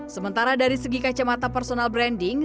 sementara dari segi kacamata personal branding